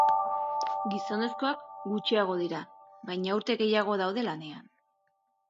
Gizonezkoak gutxiago dira, baina urte gehiago daude lanean.